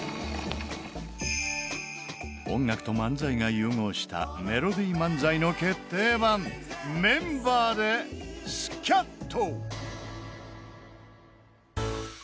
音楽と漫才が融合したメロディー漫才の決定版メンバーで「スキャット」。